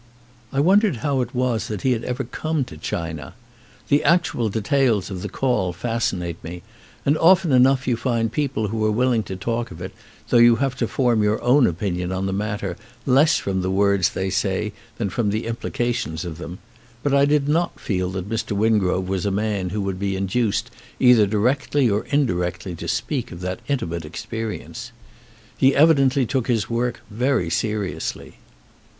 I wondered how it was that he had ever come to China. The actual details of the call fascinate me, and often enough you find people who are willing to talk of it, though you have to form your own opinion on the matter less from the words they say than from the implications of them; but I did not feel that Mr. Wingrove was a man who would be induced either directly or indirectly to speak of that intimate experience. He evidently took his work very seriously.